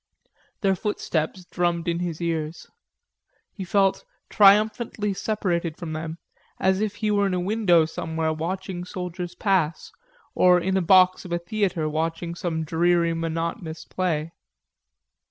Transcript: Their footsteps drummed in his ears. He felt triumphantly separated from them, as if he were in a window somewhere watching soldiers pass, or in a box of a theater watching some dreary monotonous play.